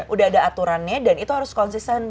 udah ada aturannya dan itu harus konsisten